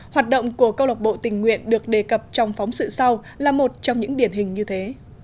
hoạt động của câu lọc bộ tình nguyện được đề cập trong phóng sự sau là một trong những điển hình như thế